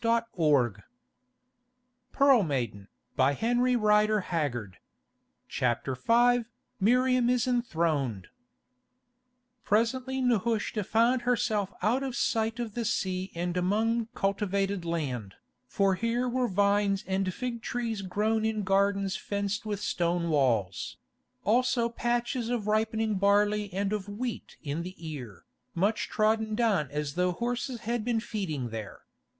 Then, weeping bitterly, Nehushta walked on inland. CHAPTER V MIRIAM IS ENTHRONED Presently Nehushta found herself out of sight of the sea and among cultivated land, for here were vines and fig trees grown in gardens fenced with stone walls; also patches of ripening barley and of wheat in the ear, much trodden down as though horses had been feeding there.